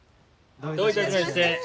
どういたしまして。